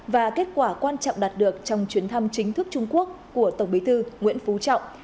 và kết quả quan trọng đạt được trong chuyến thăm chính thức trung quốc của tổng bí thư nguyễn phú trọng